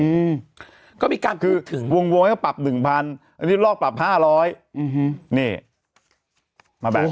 อืมคือวงก็ปรับ๑๐๐๐อันนี้ลอกปรับ๕๐๐นี่มาแบบนี้